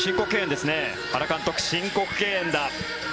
原監督、申告敬遠だ。